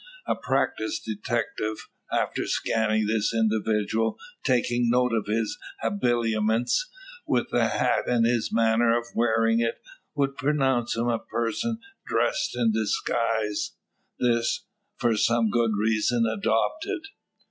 A practised detective, after scanning this individual, taking note of his habiliments, with the hat and his manner of wearing it, would pronounce him a person dressed in disguise this, for some good reason, adopted.